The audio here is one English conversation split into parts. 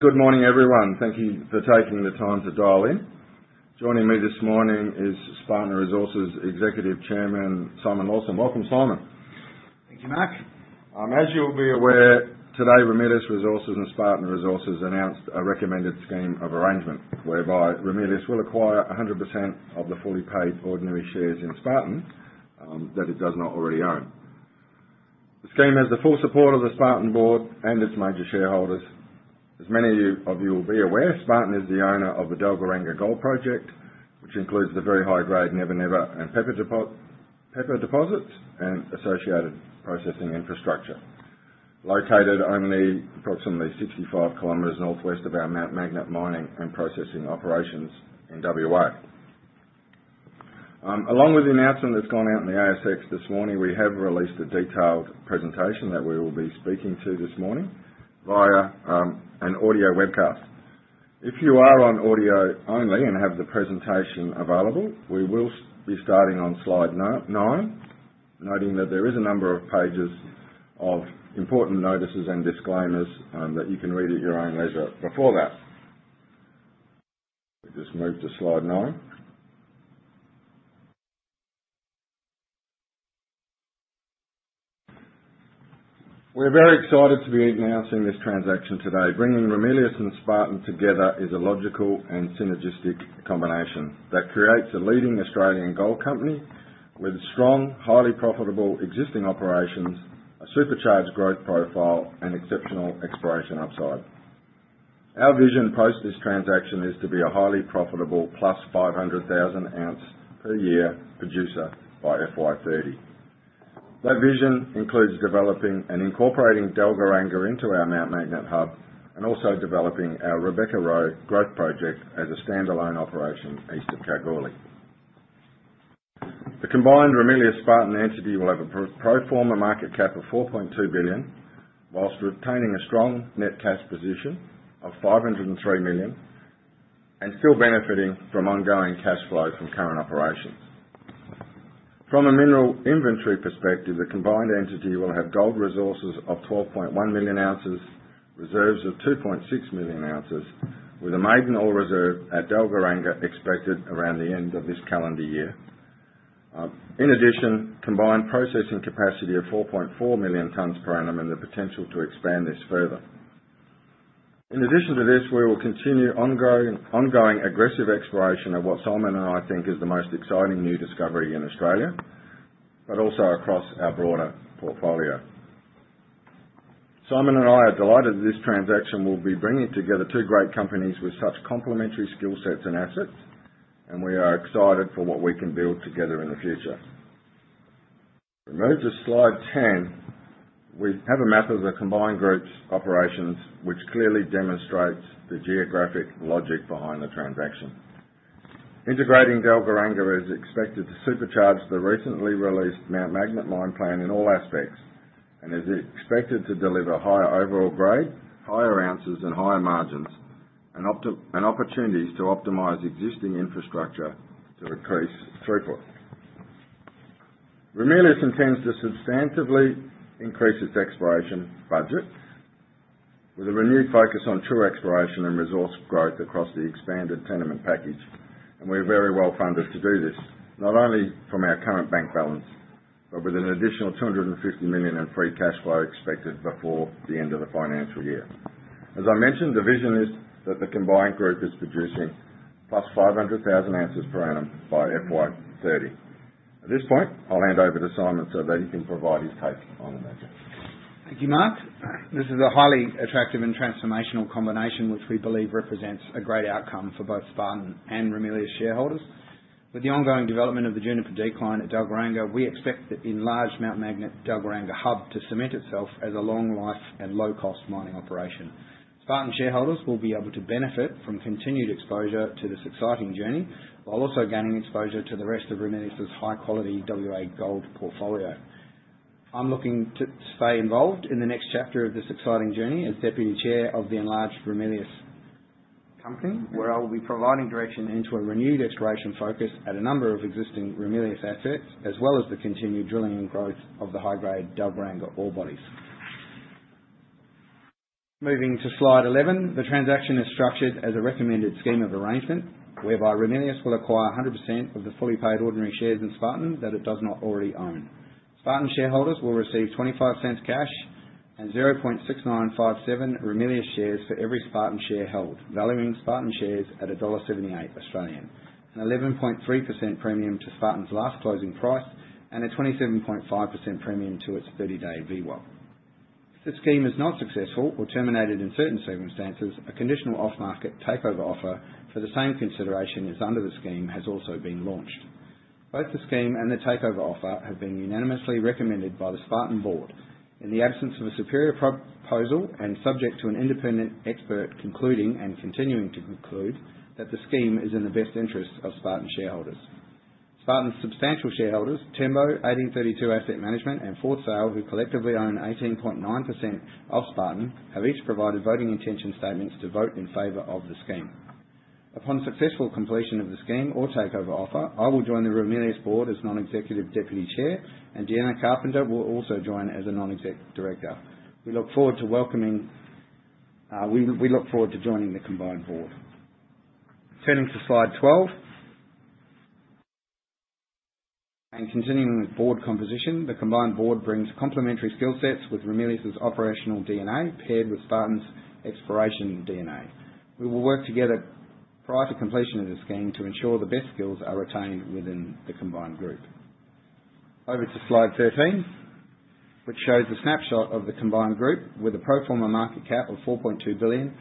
Good morning, everyone. Thank you for taking the time to dial in. Joining me this morning is Spartan Resources Executive Chairman, Simon Lawson. Welcome, Simon. Thank you, Mark. As you'll be aware, today Ramelius Resources and Spartan Resources announced a recommended Scheme of Arrangement whereby Ramelius will acquire 100% of the fully paid ordinary shares in Spartan that it does not already own. The scheme has the full support of the Spartan Board and its major shareholders. As many of you will be aware, Spartan is the owner of the Dalgaranga Gold Project, which includes the very high-grade Never Never and Pepper deposits and associated processing infrastructure, located only approximately 65 km northwest of our Mount Magnet mining and processing operations in Western Australia. Along with the announcement that's gone out in the ASX this morning, we have released a detailed presentation that we will be speaking to this morning via an audio webcast. If you are on audio only and have the presentation available, we will be starting on slide nine, noting that there is a number of pages of important notices and disclaimers that you can read at your own leisure. Before that, we'll just move to slide nine. We're very excited to be announcing this transaction today. Bringing Ramelius and Spartan together is a logical and synergistic combination that creates a leading Australian gold company with strong, highly profitable existing operations, a supercharged growth profile, and exceptional exploration upside. Our vision post this transaction is to be a highly profitable plus 500,000 ounce per year producer by FY 2030. That vision includes developing and incorporating Dalgaranga into our Mount Magnet hub and also developing our Rebecca-Roe Growth Project as a standalone operation east of Kalgoorlie. The combined Ramelius Spartan entity will have a pro forma market cap of 4.2 billion, whilst retaining a strong net cash position of 503 million and still benefiting from ongoing cash flow from current operations. From a mineral inventory perspective, the combined entity will have gold resources of 12.1 million ounces, reserves of 2.6 million ounces, with a maiden ore reserve at Dalgaranga expected around the end of this calendar year. In addition, combined processing capacity of 4.4 million tonnes per annum and the potential to expand this further. In addition to this, we will continue ongoing aggressive exploration of what Simon and I think is the most exciting new discovery in Australia, but also across our broader portfolio. Simon and I are delighted that this transaction will be bringing together two great companies with such complementary skill sets and assets, and we are excited for what we can build together in the future. We'll move to slide ten. We have a map of the combined group's operations, which clearly demonstrates the geographic logic behind the transaction. Integrating Dalgaranga is expected to supercharge the recently released Mount Magnet mine plan in all aspects and is expected to deliver higher overall grade, higher ounces, and higher margins and opportunities to optimize existing infrastructure to increase throughput. Ramelius intends to substantively increase its exploration budget with a renewed focus on true exploration and resource growth across the expanded tenement package, and we are very well funded to do this, not only from our current bank balance, but with an additional 250 million in free cash flow expected before the end of the financial year. As I mentioned, the vision is that the combined group is producing plus 500,000 ounces per annum by FY 2030. At this point, I'll hand over to Simon so that he can provide his take on the matter. Thank you, Mark. This is a highly attractive and transformational combination, which we believe represents a great outcome for both Spartan and Ramelius shareholders. With the ongoing development of the Juniper Decline at Dalgaranga, we expect that enlarged Mount Magnet Dalgaranga hub to cement itself as a long-life and low-cost mining operation. Spartan shareholders will be able to benefit from continued exposure to this exciting journey while also gaining exposure to the rest of Ramelius's high-quality WA gold portfolio. I'm looking to stay involved in the next chapter of this exciting journey as Deputy Chair of the enlarged Ramelius company, where I will be providing direction into a renewed exploration focus at a number of existing Ramelius assets, as well as the continued drilling and growth of the high-grade Dalgaranga ore bodies. Moving to slide 11, the transaction is structured as a recommended Scheme of Arrangement whereby Ramelius will acquire 100% of the fully paid ordinary shares in Spartan that it does not already own. Spartan shareholders will receive 0.25 cash and 0.6957 Ramelius shares for every Spartan share held, valuing Spartan shares at 1.78 Australian dollars. An 11.3% premium to Spartan's last closing price and a 27.5% premium to its 30-day VWAP. If the scheme is not successful or terminated in certain circumstances, a conditional off-market takeover offer for the same consideration as under the scheme has also been launched. Both the scheme and the takeover offer have been unanimously recommended by the Spartan Board in the absence of a superior proposal and subject to an independent expert concluding and continuing to conclude that the scheme is in the best interest of Spartan shareholders. Spartan's substantial shareholders, Tembo, 1832 Asset Management, and Fourth Sail, who collectively own 18.9% of Spartan, have each provided voting intention statements to vote in favor of the scheme. Upon successful completion of the scheme or takeover offer, I will join the Ramelius Board as Non-Executive Deputy Chair, and Deanna Carpenter will also join as a Non-Executive Director. We look forward to welcoming the combined board. Turning to slide 12 and continuing with board composition, the combined board brings complementary skill sets with Ramelius's operational DNA paired with Spartan's exploration DNA. We will work together prior to completion of the scheme to ensure the best skills are retained within the combined group. Over to slide 13, which shows a snapshot of the combined group with a pro forma market cap of 4.2 billion,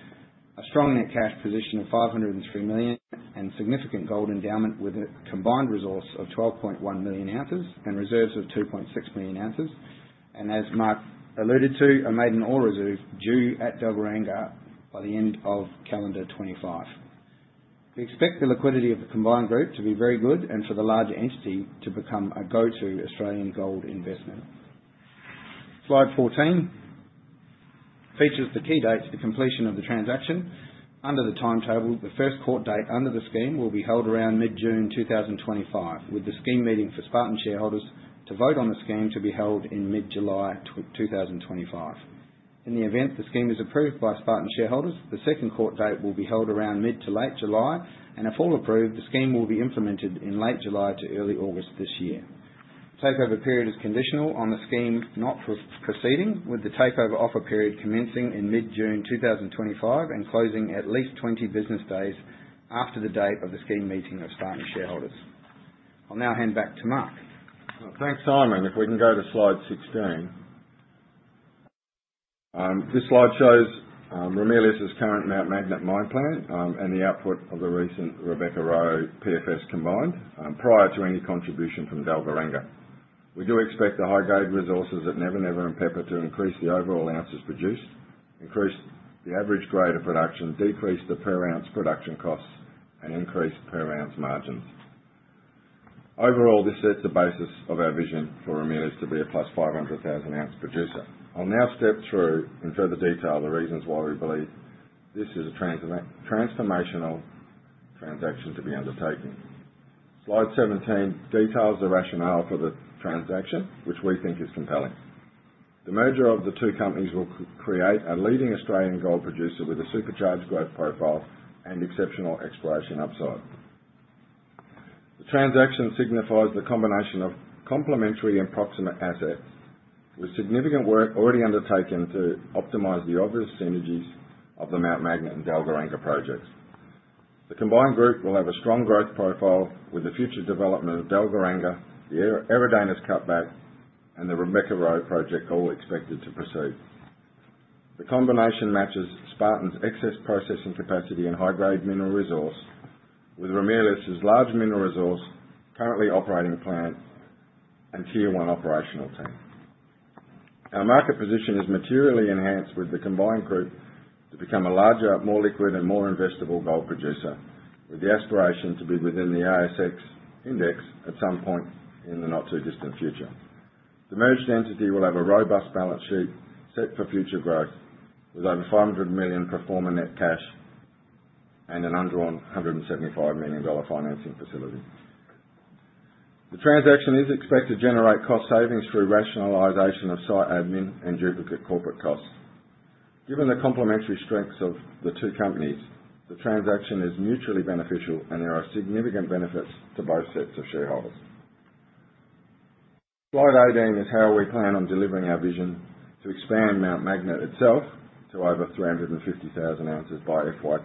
a strong net cash position of 503 million, and significant gold endowment with a combined resource of 12.1 million ounces and reserves of 2.6 million ounces. As Mark alluded to, a maiden ore reserve due at Dalgaranga by the end of calendar 2025. We expect the liquidity of the combined group to be very good and for the larger entity to become a go-to Australian gold investment. Slide 14 features the key date for completion of the transaction. Under the timetable, the first court date under the scheme will be held around mid-June 2025, with the scheme meeting for Spartan shareholders to vote on the scheme to be held in mid-July 2025. In the event the scheme is approved by Spartan shareholders, the second court date will be held around mid to late July, and if all approved, the scheme will be implemented in late July to early August this year. Takeover period is conditional on the scheme not proceeding, with the takeover offer period commencing in mid-June 2025 and closing at least 20 business days after the date of the scheme meeting of Spartan shareholders. I'll now hand back to Mark. Thanks, Simon. If we can go to slide 16. This slide shows Ramelius's current Mount Magnet mine plan and the output of the recent Rebecca-Roe PFS combined prior to any contribution from Dalgaranga. We do expect the high-grade resources at Never Never and Pepper to increase the overall ounces produced, increase the average grade of production, decrease the per ounce production costs, and increase per ounce margins. Overall, this sets the basis of our vision for Ramelius to be a plus 500,000 ounce producer. I'll now step through in further detail the reasons why we believe this is a transformational transaction to be undertaken. Slide 17 details the rationale for the transaction, which we think is compelling. The merger of the two companies will create a leading Australian gold producer with a supercharged growth profile and exceptional exploration upside. The transaction signifies the combination of complementary and proximate assets with significant work already undertaken to optimize the obvious synergies of the Mount Magnet and Dalgaranga projects. The combined group will have a strong growth profile with the future development of Dalgaranga, the Eridanus cutback, and the Rebecca-Roe project all expected to proceed. The combination matches Spartan's excess processing capacity and high-grade mineral resource with Ramelius's large mineral resource, currently operating plant, and tier one operational team. Our market position is materially enhanced with the combined group to become a larger, more liquid, and more investable gold producer with the aspiration to be within the ASX index at some point in the not-too-distant future. The merged entity will have a robust balance sheet set for future growth with over 500 million pro forma net cash and an under 175 million dollar financing facility. The transaction is expected to generate cost savings through rationalization of site admin and duplicate corporate costs. Given the complementary strengths of the two companies, the transaction is mutually beneficial and there are significant benefits to both sets of shareholders. Slide 18 is how we plan on delivering our vision to expand Mount Magnet itself to over 350,000 ounces by FY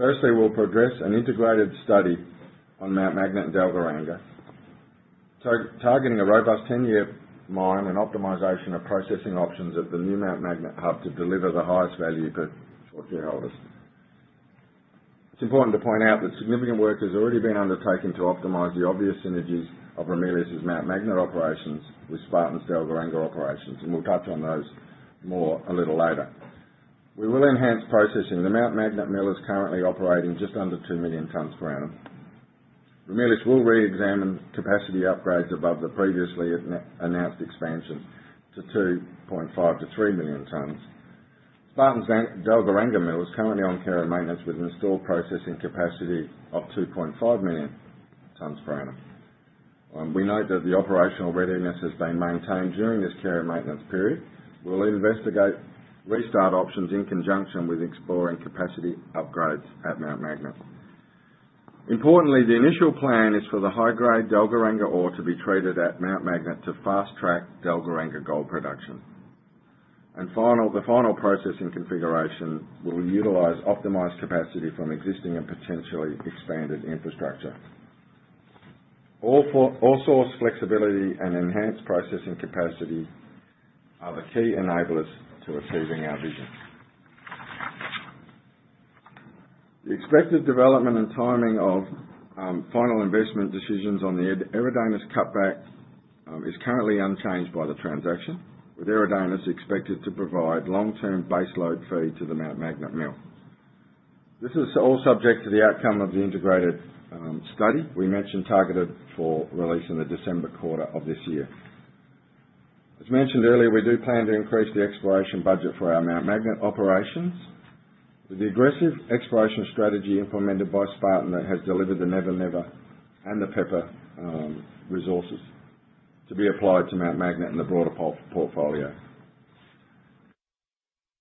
2030. Firstly, we'll progress an integrated study on Mount Magnet and Dalgaranga, targeting a robust 10-year mine and optimization of processing options at the new Mount Magnet hub to deliver the highest value per share shareholders. It's important to point out that significant work has already been undertaken to optimize the obvious synergies of Ramelius's Mount Magnet operations with Spartan's Dalgaranga operations, and we'll touch on those more a little later. We will enhance processing. The Mount Magnet mill is currently operating just under 2 million tonnes per annum. Ramelius will re-examine capacity upgrades above the previously announced expansion to 2.5 million-3 million tonnes. Spartan's Dalgaranga mill is currently on care and maintenance with installed processing capacity of 2.5 million tonnes per annum. We note that the operational readiness has been maintained during this care and maintenance period. We'll investigate restart options in conjunction with exploring capacity upgrades at Mount Magnet. Importantly, the initial plan is for the high-grade Dalgaranga ore to be treated at Mount Magnet to fast-track Dalgaranga gold production. The final processing configuration will utilize optimized capacity from existing and potentially expanded infrastructure. Ore source flexibility and enhanced processing capacity are the key enablers to achieving our vision. The expected development and timing of final investment decisions on the Eridanus cutback is currently unchanged by the transaction, with Eridanus expected to provide long-term base load feed to the Mount Magnet mill. This is all subject to the outcome of the integrated study we mentioned targeted for release in the December quarter of this year. As mentioned earlier, we do plan to increase the exploration budget for our Mount Magnet operations with the aggressive exploration strategy implemented by Spartan that has delivered the Never Never and the Pepper resources to be applied to Mount Magnet and the broader portfolio.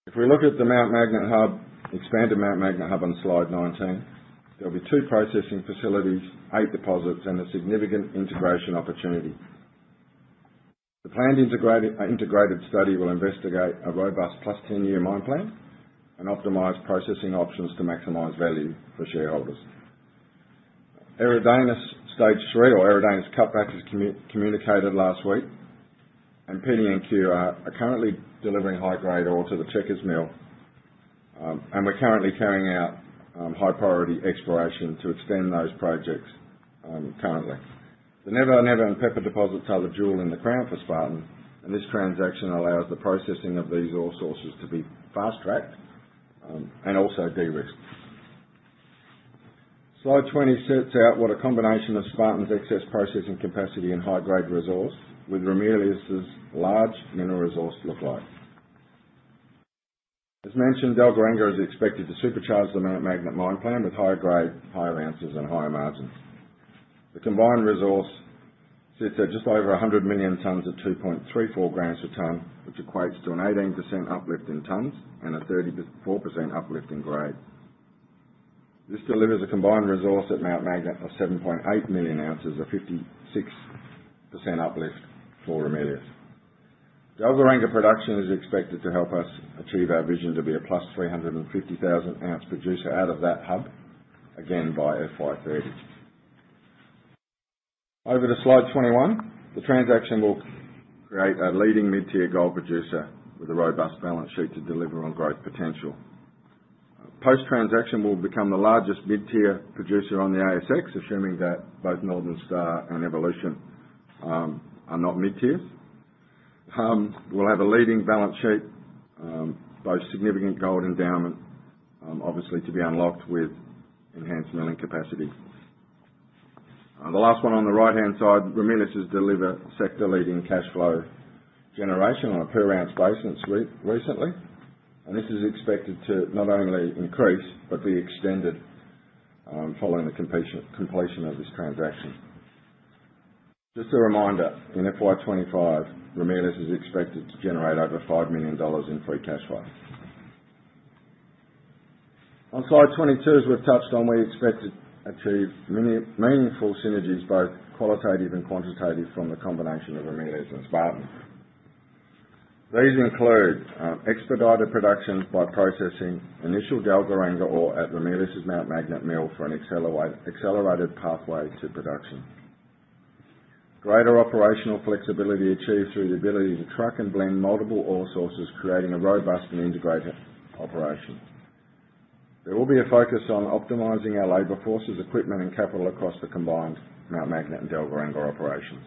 If we look at the Mount Magnet hub, expanded Mount Magnet hub on slide 19, there will be two processing facilities, eight deposits, and a significant integration opportunity. The planned integrated study will investigate a robust plus 10-year mine plan and optimized processing options to maximize value for shareholders. Eridanus stage three or Eridanus cutback is communicated last week, and Penny and Cue are currently delivering high-grade ore to the Checkers Mill, and we're currently carrying out high-priority exploration to extend those projects currently. The Never Never and Pepper deposits are the jewel in the crown for Spartan, and this transaction allows the processing of these ore sources to be fast-tracked and also de-risked. Slide 20 sets out what a combination of Spartan's excess processing capacity and high-grade resource with Ramelius's large mineral resource look like. As mentioned, Dalgaranga is expected to supercharge the Mount Magnet mine plan with higher grade, higher ounces, and higher margins. The combined resource sits at just over 100 million tonnes at 2.34 grams per tonne, which equates to an 18% uplift in tonnes and a 34% uplift in grade. This delivers a combined resource at Mount Magnet of 7.8 million ounces, a 56% uplift for Ramelius. Dalgaranga production is expected to help us achieve our vision to be a plus 350,000 ounce producer out of that hub, again by FY 2030. Over to slide 21. The transaction will create a leading mid-tier gold producer with a robust balance sheet to deliver on growth potential. Post-transaction, we'll become the largest mid-tier producer on the ASX, assuming that both Northern Star and Evolution are not mid-tiers. We'll have a leading balance sheet, both significant gold endowment, obviously to be unlocked with enhanced milling capacity. The last one on the right-hand side, Ramelius has delivered sector-leading cash flow generation on a per-ounce basis recently, and this is expected to not only increase but be extended following the completion of this transaction. Just a reminder, in FY 2025, Ramelius is expected to generate over 5 million dollars in free cash flow. On slide 22, as we've touched on, we expect to achieve meaningful synergies, both qualitative and quantitative, from the combination of Ramelius and Spartan. These include expedited production by processing initial Dalgaranga ore at Ramelius's Mount Magnet mill for an accelerated pathway to production. Greater operational flexibility achieved through the ability to truck and blend multiple ore sources, creating a robust and integrated operation. There will be a focus on optimizing our labor forces, equipment, and capital across the combined Mount Magnet and Dalgaranga operations.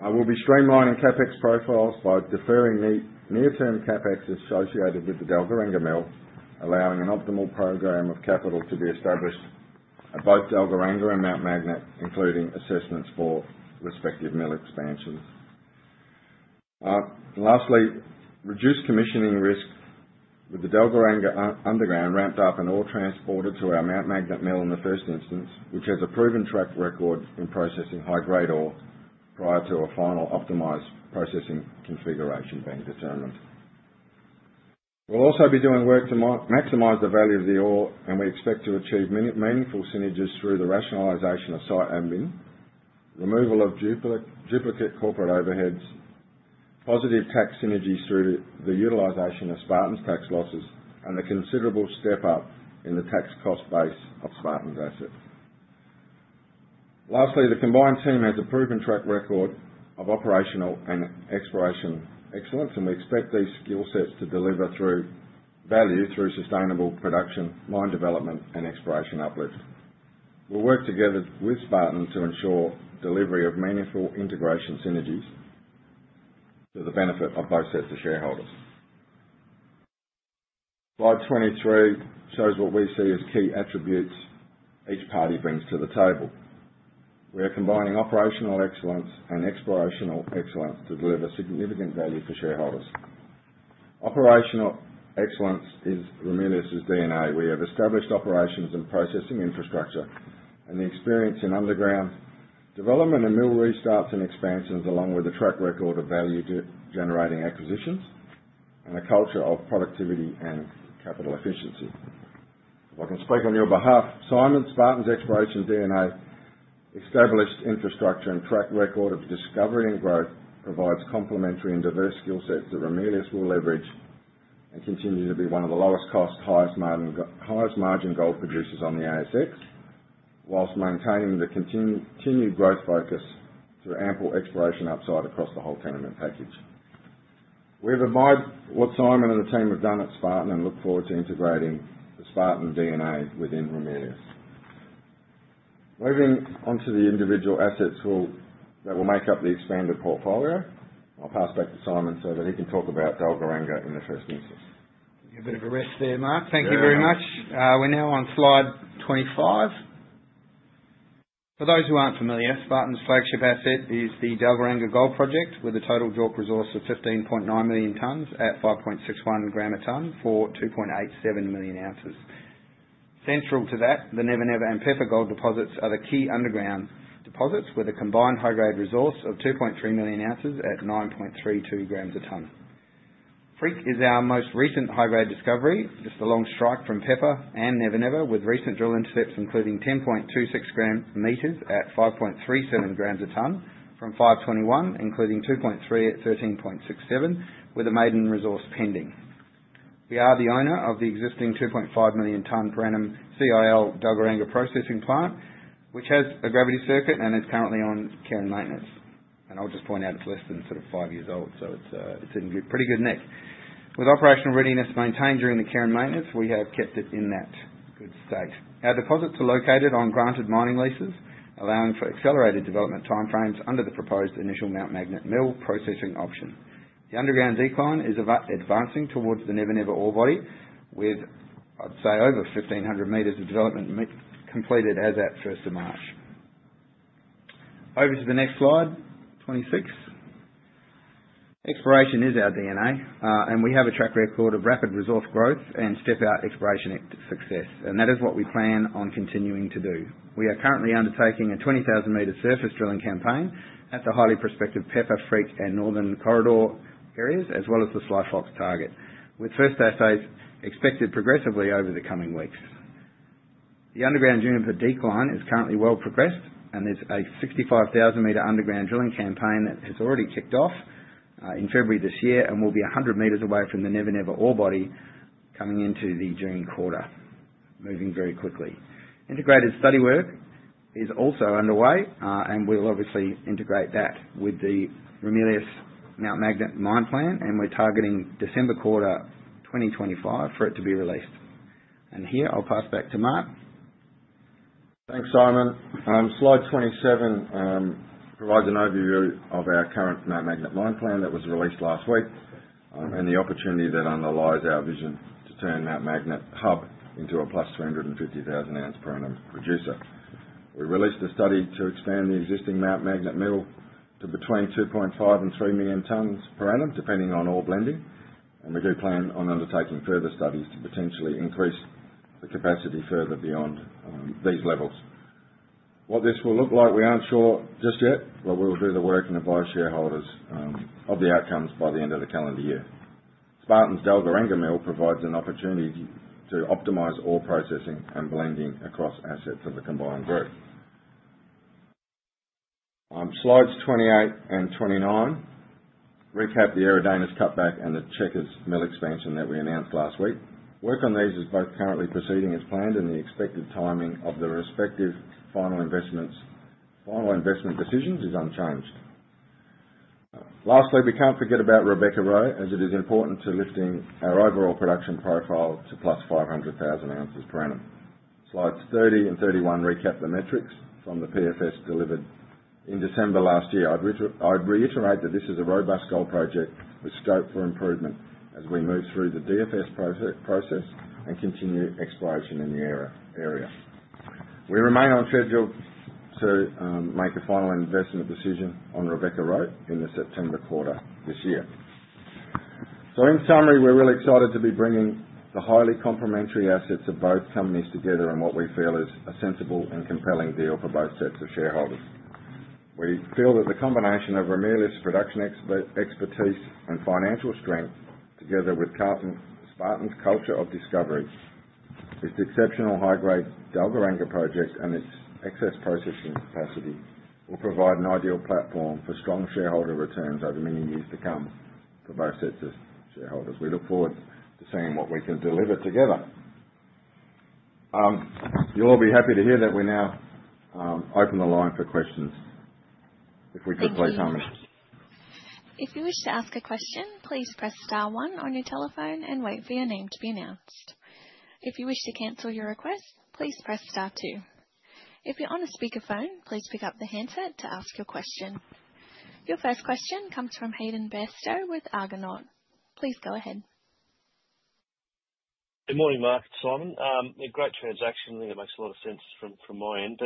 We'll be streamlining CapEx profiles by deferring near-term CapEx associated with the Dalgaranga mill, allowing an optimal program of capital to be established at both Dalgaranga and Mount Magnet, including assessments for respective mill expansions. Lastly, reduced commissioning risk with the Dalgaranga underground ramped up and all transported to our Mount Magnet mill in the first instance, which has a proven track record in processing high-grade ore prior to a final optimized processing configuration being determined. We'll also be doing work to maximize the value of the ore, and we expect to achieve meaningful synergies through the rationalization of site admin, removal of duplicate corporate overheads, positive tax synergies through the utilization of Spartan's tax losses, and a considerable step up in the tax cost base of Spartan's assets. Lastly, the combined team has a proven track record of operational and exploration excellence, and we expect these skill sets to deliver value through sustainable production, mine development, and exploration uplift. We'll work together with Spartan to ensure delivery of meaningful integration synergies to the benefit of both sets of shareholders. Slide 23 shows what we see as key attributes each party brings to the table. We are combining operational excellence and explorational excellence to deliver significant value for shareholders. Operational excellence is Ramelius's DNA. We have established operations and processing infrastructure and the experience in underground development and mill restarts and expansions, along with a track record of value-generating acquisitions and a culture of productivity and capital efficiency. If I can speak on your behalf, Simon, Spartan's exploration DNA, established infrastructure, and track record of discovery and growth provides complementary and diverse skill sets that Ramelius will leverage and continue to be one of the lowest-cost, highest-margin gold producers on the ASX, whilst maintaining the continued growth focus through ample exploration upside across the whole tenement package. We've admired what Simon and the team have done at Spartan and look forward to integrating the Spartan DNA within Ramelius. Moving on to the individual assets that will make up the expanded portfolio, I'll pass back to Simon so that he can talk about Dalgaranga in the first instance. Give you a bit of a rest there, Mark. Thank you very much. We're now on slide 25. For those who aren't familiar, Spartan's flagship asset is the Dalgaranga gold project with a total JORC resource of 15.9 million tonnes at 5.61 grams a ton for 2.87 million ounces. Central to that, the Never Never and Pepper gold deposits are the key underground deposits with a combined high-grade resource of 2.3 million ounces at 9.32 grams a ton. Freak is our most recent high-grade discovery, just along strike from Pepper and Never Never, with recent drill intercepts including 10.26 gram meters at 5.37 grams a ton from 521, including 2.3 at 13.67, with a maiden resource pending. We are the owner of the existing 2.5 million tonne per annum CIL Dalgaranga processing plant, which has a gravity circuit and is currently on care and maintenance. I'll just point out it's less than sort of five years old, so it's in pretty good nick. With operational readiness maintained during the care and maintenance, we have kept it in that good state. Our deposits are located on granted mining leases, allowing for accelerated development timeframes under the proposed initial Mount Magnet mill processing option. The underground decline is advancing towards the Never Never ore body, with, I'd say, over 1,500 meters of development completed as at 1st of March. Over to the next slide, 26. Exploration is our DNA, and we have a track record of rapid resource growth and step-out exploration success, and that is what we plan on continuing to do. We are currently undertaking a 20,000-meter surface drilling campaign at the highly prospective Pepper, Freak, and Northern corridor areas, as well as the Sly Fox target, with first assays expected progressively over the coming weeks. The underground Juniper Decline is currently well progressed, and there is a 65,000-meter underground drilling campaign that has already kicked off in February this year and will be 100 meters away from the Never Never ore body coming into the June quarter, moving very quickly. Integrated study work is also underway, and we will obviously integrate that with the Ramelius Mount Magnet mine plan, and we are targeting December quarter 2025 for it to be released. Here, I will pass back to Mark. Thanks, Simon. Slide 27 provides an overview of our current Mount Magnet mine plan that was released last week and the opportunity that underlies our vision to turn Mount Magnet hub into a plus 250,000 ounce per annum producer. We released a study to expand the existing Mount Magnet mill to between 2.5 million and 3 million tonnes per annum, depending on ore blending, and we do plan on undertaking further studies to potentially increase the capacity further beyond these levels. What this will look like, we aren't sure just yet, but we'll do the work and advise shareholders of the outcomes by the end of the calendar year. Spartan's Dalgaranga mill provides an opportunity to optimize ore processing and blending across assets of the combined group. Slides 28 and 29 recap the Eridanus cutback and the Checkers Mill expansion that we announced last week. Work on these is both currently proceeding as planned, and the expected timing of the respective final investment decisions is unchanged. Lastly, we can't forget about Rebecca-Roe, as it is important to lifting our overall production profile to plus 500,000 ounces per annum. Slides 30 and 31 recap the metrics from the PFS delivered in December last year. I'd reiterate that this is a robust gold project with scope for improvement as we move through the DFS process and continue exploration in the area. We remain on schedule to make a final investment decision on Rebecca-Roe in the September quarter this year. In summary, we're really excited to be bringing the highly complementary assets of both companies together in what we feel is a sensible and compelling deal for both sets of shareholders. We feel that the combination of Ramelius's production expertise and financial strength, together with Spartan's culture of discovery, its exceptional high-grade Dalgaranga project, and its excess processing capacity will provide an ideal platform for strong shareholder returns over many years to come for both sets of shareholders. We look forward to seeing what we can deliver together. You'll all be happy to hear that we now open the line for questions. If we could, please, Simon. If you wish to ask a question, please press star one on your telephone and wait for your name to be announced. If you wish to cancel your request, please press star two. If you're on a speakerphone, please pick up the handset to ask your question. Your first question comes from Hayden Bairstow with Argonaut. Please go ahead. Good morning, Mark. Simon. Great transaction. I think it makes a lot of sense from my end.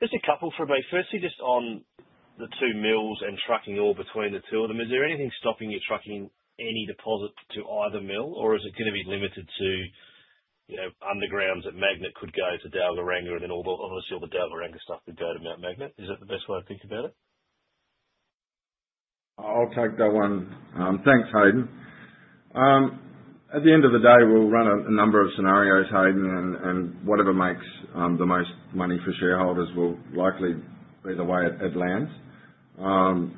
Just a couple for me. Firstly, just on the two mills and trucking ore between the two of them, is there anything stopping you trucking any deposit to either mill, or is it going to be limited to undergrounds that Mount Magnet could go to Dalgaranga, and then obviously all the Dalgaranga stuff could go to Mount Magnet? Is that the best way to think about it? I'll take that one. Thanks, Hayden. At the end of the day, we'll run a number of scenarios, Hayden, and whatever makes the most money for shareholders will likely be the way it lands.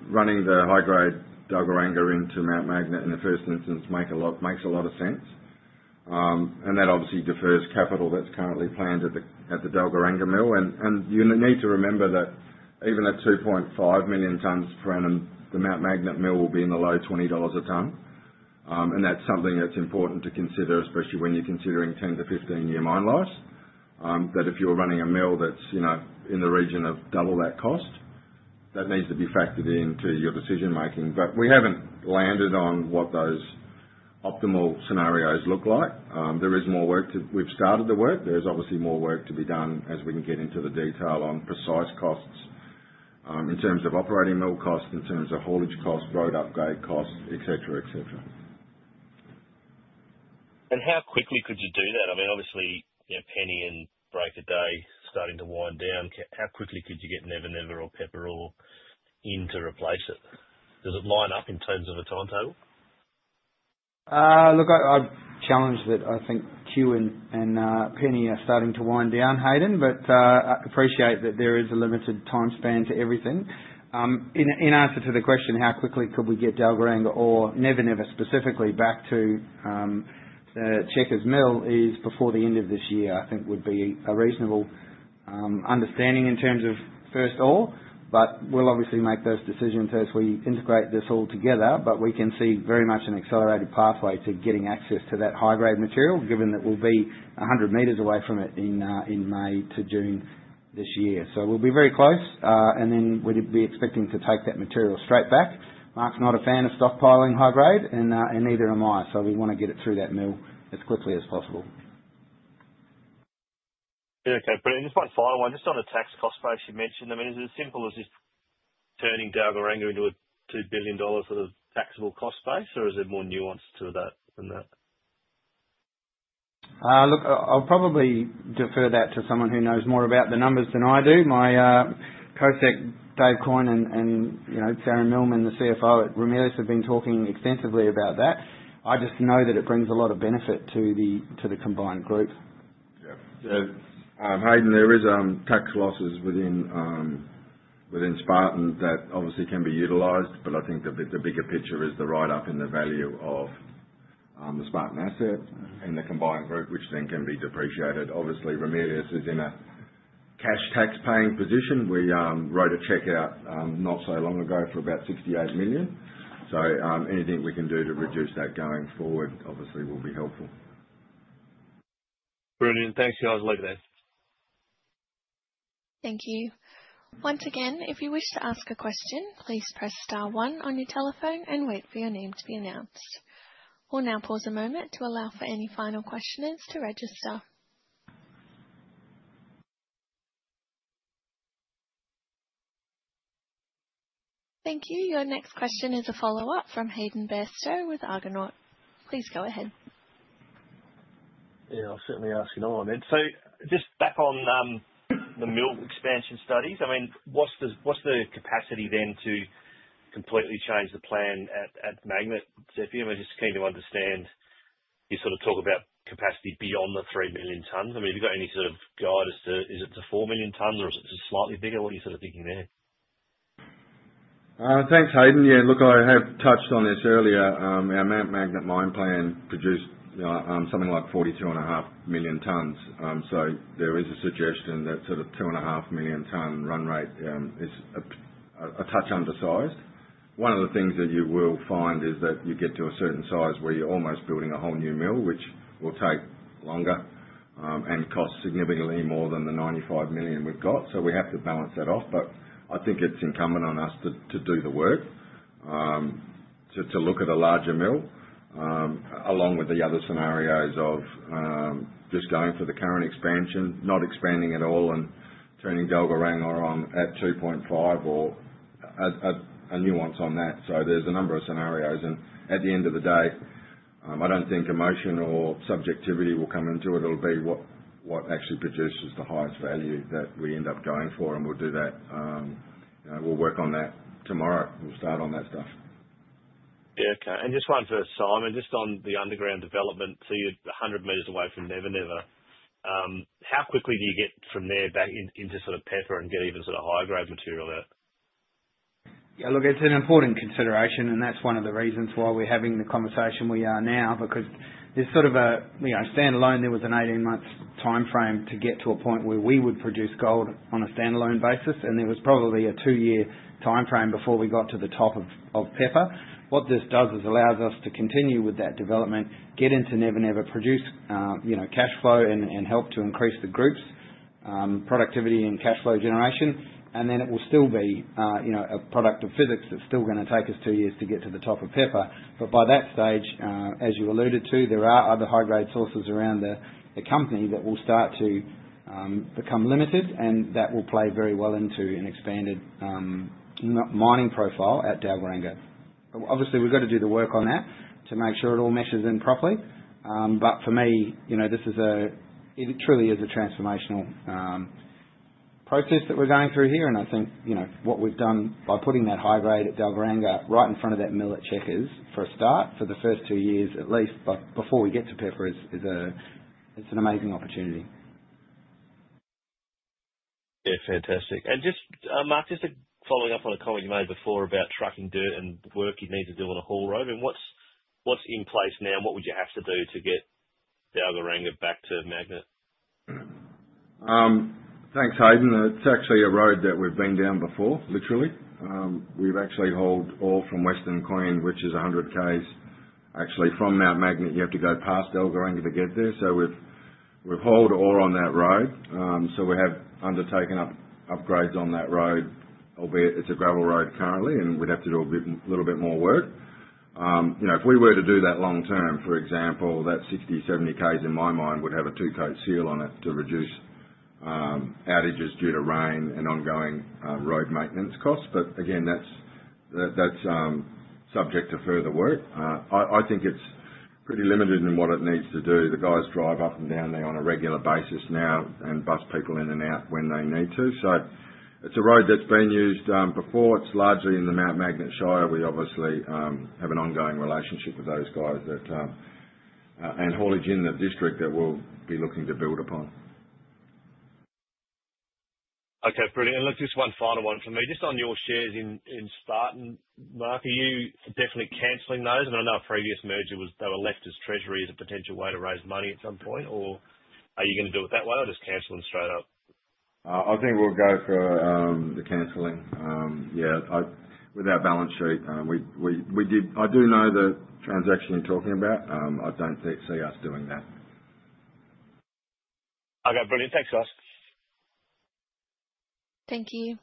Running the high-grade Dalgaranga into Mount Magnet in the first instance makes a lot of sense, and that obviously defers capital that's currently planned at the Dalgaranga mill. You need to remember that even at 2.5 million tonnes per annum, the Mount Magnet mill will be in the low 20 dollars a ton, and that's something that's important to consider, especially when you're considering 10-15 year mine lives, that if you're running a mill that's in the region of double that cost, that needs to be factored into your decision-making. We haven't landed on what those optimal scenarios look like. There is more work to be done. We've started the work. There's obviously more work to be done as we can get into the detail on precise costs in terms of operating mill costs, in terms of haulage costs, road upgrade costs, et cetera, et cetera. How quickly could you do that? I mean, obviously, Penny and Break of Day starting to wind down. How quickly could you get Never Never or Pepper ore in to replace it? Does it line up in terms of a timetable? Look, I challenge that. I think Cue and Penny are starting to wind down, Hayden, but I appreciate that there is a limited time span to everything. In answer to the question, how quickly could we get Dalgaranga or Never Never specifically back to the Checkers mill is before the end of this year, I think would be a reasonable understanding in terms of first ore, but we will obviously make those decisions as we integrate this all together. We can see very much an accelerated pathway to getting access to that high-grade material, given that we will be 100 meters away from it in May to June this year. We will be very close, and then we would be expecting to take that material straight back. Mark is not a fan of stockpiling high-grade, and neither am I, so we want to get it through that mill as quickly as possible. Okay. Brilliant. Just one final one. Just on the tax cost space you mentioned, I mean, is it as simple as just turning Dalgaranga into a 2 billion dollar sort of taxable cost space, or is there more nuance to that than that? Look, I'll probably defer that to someone who knows more about the numbers than I do. My Co-Secretary, Dave Coyne, and Sarah Millman, the CFO at Ramelius, have been talking extensively about that. I just know that it brings a lot of benefit to the combined group. Yeah. Hayden, there are tax losses within Spartan that obviously can be utilized, but I think the bigger picture is the write-up in the value of the Spartan asset and the combined group, which then can be depreciated. Obviously, Ramelius is in a cash tax-paying position. We wrote a check out not so long ago for about 68 million. Anything we can do to reduce that going forward obviously will be helpful. Brilliant. Thanks, guys. I'll leave it there. Thank you. Once again, if you wish to ask a question, please press star one on your telephone and wait for your name to be announced. We'll now pause a moment to allow for any final questioners to register. Thank you. Your next question is a follow-up from Hayden Bairstow with Argonaut. Please go ahead. Yeah, I'll certainly ask it on. Just back on the mill expansion studies, I mean, what's the capacity then to completely change the plan at Magnet Zeptner? I'm just keen to understand you sort of talk about capacity beyond the 3 million tonnes. I mean, have you got any sort of guide as to is it to 4 million tonnes, or is it just slightly bigger? What are you sort of thinking there? Thanks, Hayden. Yeah, look, I had touched on this earlier. Our Mount Magnet mine plan produced something like 42.5 million tonnes, so there is a suggestion that sort of 2.5 million tonne run rate is a touch undersized. One of the things that you will find is that you get to a certain size where you're almost building a whole new mill, which will take longer and cost significantly more than the 95 million we've got. We have to balance that off, but I think it's incumbent on us to do the work to look at a larger mill, along with the other scenarios of just going for the current expansion, not expanding at all, and turning Dalgaranga on at 2.5 or a nuance on that. There are a number of scenarios, and at the end of the day, I do not think emotion or subjectivity will come into it. It will be what actually produces the highest value that we end up going for, and we will do that. We will work on that tomorrow. We will start on that stuff. Yeah, okay. Just one for Simon, just on the underground development. So you're 100 meters away from Never Never. How quickly do you get from there back into sort of Pepper and get even sort of high-grade material out? Yeah, look, it's an important consideration, and that's one of the reasons why we're having the conversation we are now, because there's sort of a standalone, there was an 18-month timeframe to get to a point where we would produce gold on a standalone basis, and there was probably a two-year timeframe before we got to the top of Pepper. What this does is allows us to continue with that development, get into Never Never, produce cash flow, and help to increase the group's productivity and cash flow generation, and then it will still be a product of physics. It's still going to take us two years to get to the top of Pepper, but by that stage, as you alluded to, there are other high-grade sources around the company that will start to become limited, and that will play very well into an expanded mining profile at Dalgaranga. Obviously, we've got to do the work on that to make sure it all meshes in properly, but for me, this is a—it truly is a transformational process that we're going through here, and I think what we've done by putting that high-grade at Dalgaranga right in front of that mill at Checkers for a start for the first two years at least before we get to Pepper is an amazing opportunity. Yeah, fantastic. Mark, just following up on a comment you made before about trucking dirt and the work you need to do on a haul road, I mean, what's in place now, and what would you have to do to get Dalgaranga back to Magnet? Thanks, Hayden. It's actually a road that we've been down before, literally. We've actually hauled ore from Western Queen, which is 100 km actually from Mount Magnet. You have to go past Dalgaranga to get there, so we've hauled ore on that road. We have undertaken upgrades on that road, albeit it's a gravel road currently, and we'd have to do a little bit more work. If we were to do that long term, for example, that 60 km-70 km in my mind would have a two-coat seal on it to reduce outages due to rain and ongoing road maintenance costs, but again, that's subject to further work. I think it's pretty limited in what it needs to do. The guys drive up and down there on a regular basis now and bus people in and out when they need to. It is a road that has been used before. It is largely in the Mount Magnet Shire. We obviously have an ongoing relationship with those guys and haulage in the district that we will be looking to build upon. Okay, brilliant. Look, just one final one from me. Just on your shares in Spartan, Mark, are you definitely cancelling those? I mean, I know a previous merger they were left as treasury as a potential way to raise money at some point, or are you going to do it that way or just cancel them straight up? I think we'll go for the cancelling. Yeah, without balance sheet. I do know the transaction you're talking about. I don't see us doing that. Okay, brilliant. Thanks, guys. Thank you.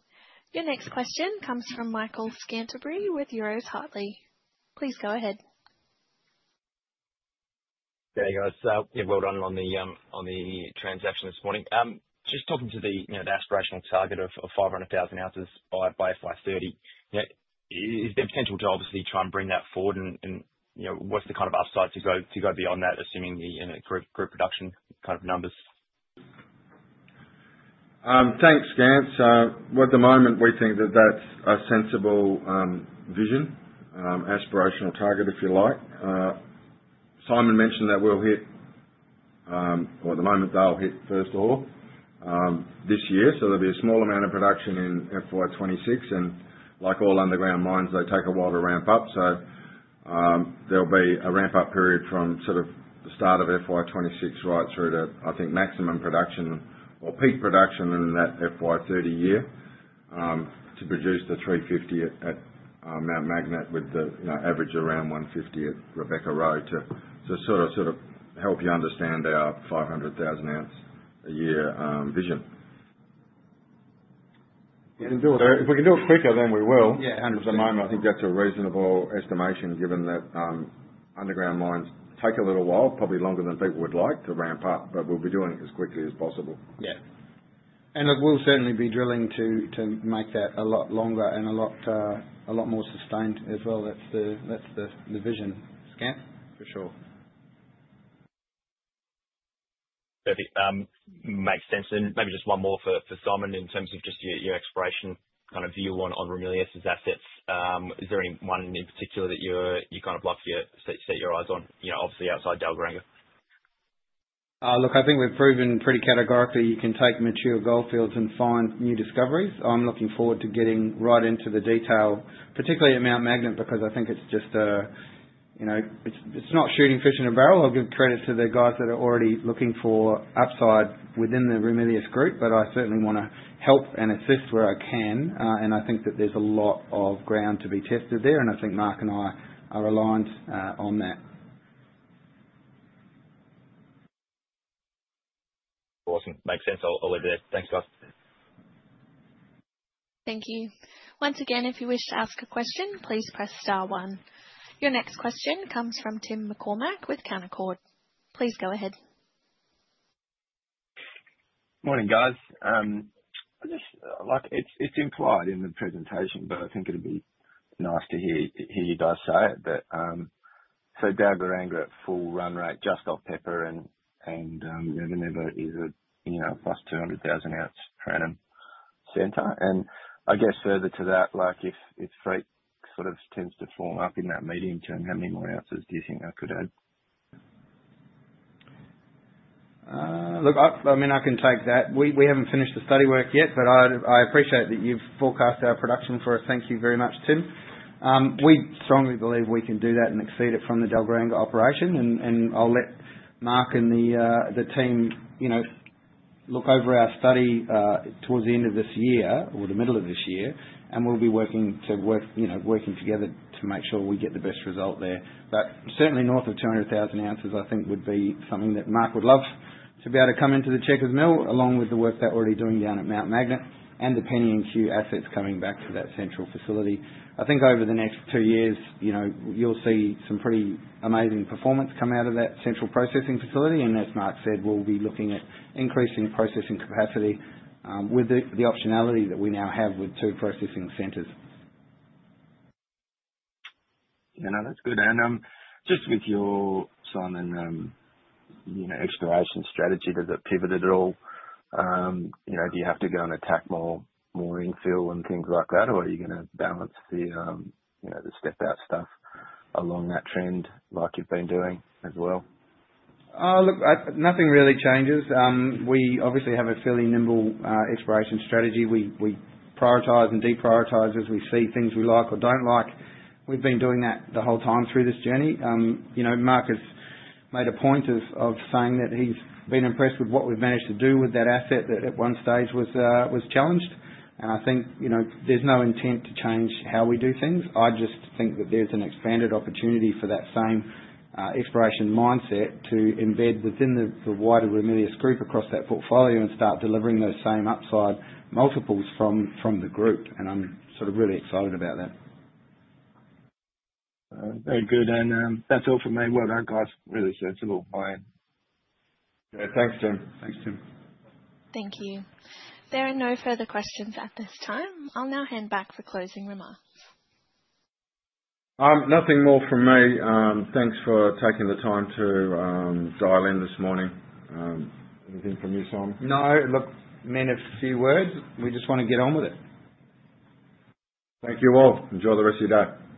Your next question comes from Michael Scantlebury with Euroz Hartleys. Please go ahead. There you go. Well done on the transaction this morning. Just talking to the aspirational target of 500,000 ounces by 5/30, is there a potential to obviously try and bring that forward, and what's the kind of upside to go beyond that, assuming the group production kind of numbers? Thanks, Scant. At the moment, we think that that's a sensible vision, aspirational target, if you like. Simon mentioned that we'll hit, or at the moment, they'll hit first ore this year, so there'll be a small amount of production in FY 2026, and like all underground mines, they take a while to ramp up, so there'll be a ramp-up period from sort of the start of FY 2026 right through to, I think, maximum production or peak production in that FY 2030 year to produce the 350,000 at Mount Magnet with the average around 150,000 at Rebecca-Roe to sort of help you understand our 500,000 ounce a year vision. If we can do it quicker, then we will. At the moment, I think that's a reasonable estimation given that underground mines take a little while, probably longer than people would like to ramp up, but we'll be doing it as quickly as possible. Yeah. Look, we'll certainly be drilling to make that a lot longer and a lot more sustained as well. That's the vision, Scant. For sure. Makes sense. Maybe just one more for Simon in terms of just your exploration kind of view on Ramelius's assets. Is there any one in particular that you kind of like to set your eyes on, obviously outside Dalgaranga? Look, I think we've proven pretty categorically you can take mature goldfields and find new discoveries. I'm looking forward to getting right into the detail, particularly at Mount Magnet, because I think it's just a—it's not shooting fish in a barrel. I'll give credit to the guys that are already looking for upside within the Ramelius group, but I certainly want to help and assist where I can, and I think that there's a lot of ground to be tested there, and I think Mark and I are aligned on that. Awesome. Makes sense. I'll leave it there. Thanks, guys. Thank you. Once again, if you wish to ask a question, please press star one. Your next question comes from Tim McCormack with Canaccord. Please go ahead. Morning, guys. It's implied in the presentation, but I think it'd be nice to hear you guys say it. So Dalgaranga at full run rate just off Pepper and Never Never is a plus 200,000 ounce per annum center. I guess further to that, if Freak sort of tends to form up in that medium term, how many more ounces do you think that could add? Look, I mean, I can take that. We haven't finished the study work yet, but I appreciate that you've forecast our production for us. Thank you very much, Tim. We strongly believe we can do that and exceed it from the Dalgaranga operation, and I'll let Mark and the team look over our study towards the end of this year or the middle of this year, and we'll be working together to make sure we get the best result there. Certainly, north of 200,000 ounces, I think, would be something that Mark would love to be able to come into the Checkers Mill, along with the work that we're already doing down at Mount Magnet and the Penny and Cue assets coming back to that central facility. I think over the next two years, you'll see some pretty amazing performance come out of that central processing facility, and as Mark said, we'll be looking at increasing processing capacity with the optionality that we now have with two processing centres. Yeah, no, that's good. Just with your, Simon, exploration strategy, does it pivot at all? Do you have to go and attack more infill and things like that, or are you going to balance the step-out stuff along that trend like you've been doing as well? Look, nothing really changes. We obviously have a fairly nimble exploration strategy. We prioritize and deprioritize as we see things we like or do not like. We've been doing that the whole time through this journey. Mark has made a point of saying that he's been impressed with what we've managed to do with that asset that at one stage was challenged, and I think there's no intent to change how we do things. I just think that there's an expanded opportunity for that same exploration mindset to embed within the wider Ramelius group across that portfolio and start delivering those same upside multiples from the group, and I'm sort of really excited about that. Very good. That is all from me. Really sensible. Bye. Yeah, thanks, Tim. Thanks, Tim. Thank you. There are no further questions at this time. I'll now hand back for closing remarks. Nothing more from me. Thanks for taking the time to dial in this morning. Anything from you, Simon? No, look, men of a few words. We just want to get on with it. Thank you all. Enjoy the rest of your day.